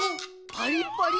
パリッパリ。